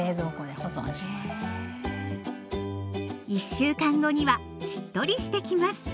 １週間後にはしっとりしてきます。